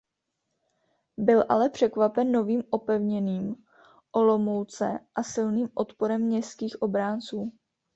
Byl ale překvapen novým opevněním Olomouce a silným odporem městských obránců.